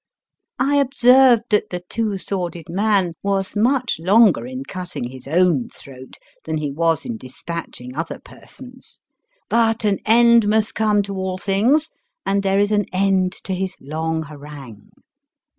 I observed that the Two S worded Man was much longer in cutting his own throat than he was in despatching other persons. But an end must come to aU things, and there is an end to his long harangue.